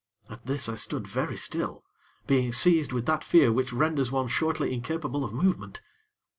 At this, I stood very still, being seized with that fear which renders one shortly incapable of movement.